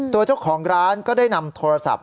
ตัวเจ้าของร้านก็ได้นำโทรศัพท์